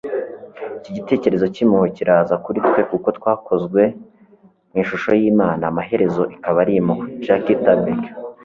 iki gitekerezo cy'impuhwe kiraza kuri twe kuko twakozwe mu ishusho y'imana, amaherezo ikaba ari impuhwe. - jackie tabick